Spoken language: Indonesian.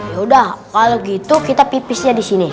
yaudah kalau gitu kita pipisnya di sini